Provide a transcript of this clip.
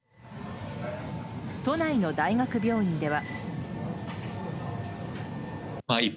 都内の大学病院では。